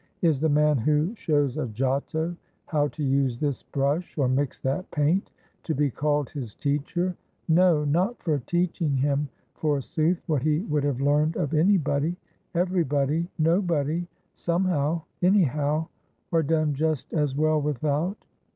Is the man who shows a Giotto how to use this brush, or mix that paint, to be called his teacher? No, not for teaching him, forsooth, what he would have learned of anybody, everybody, nobody, somehow, anyhow, or done just as well without.